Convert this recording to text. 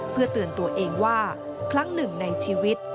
เพื่อเตือนตัวเองว่าครั้งหนึ่งในชีวิต